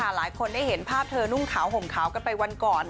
หลายคนได้เห็นภาพเธอนุ่งขาวห่มขาวกันไปวันก่อน